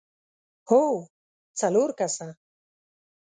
هو، څلور کسه!